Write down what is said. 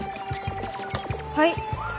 はい。